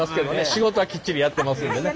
仕事はきっちりやってますんでね。